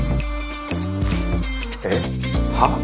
えっ？はっ？